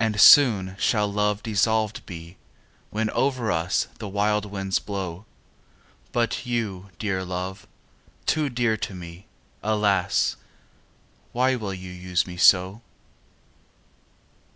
And soon shall love dissolved be When over us the wild winds blowâ But you, dear love, too dear to me, Alas! why will you use me so?